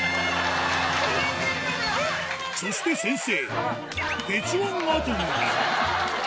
そして先生